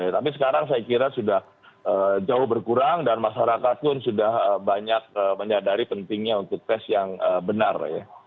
tapi sekarang saya kira sudah jauh berkurang dan masyarakat pun sudah banyak menyadari pentingnya untuk tes yang benar ya